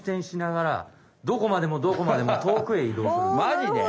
マジで？